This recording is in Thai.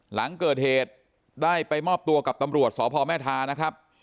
หลังเกิดเหตุได้ไปมอบตัวกับตำรวจสพแม่ทานะครับ